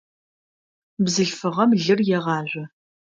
Бзылъфыгъэм лыр егъажъо.